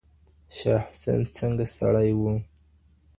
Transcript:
شاه حسين څنګه سړی و؟